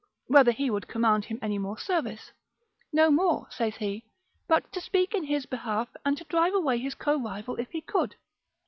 whether he would command him any more service: No more (saith he) but to speak in his behalf, and to drive away his co rival if he could.